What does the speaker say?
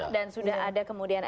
dan sudah ada kemudian